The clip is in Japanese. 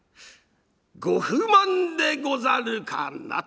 ご不満でござるかな」と。